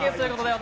私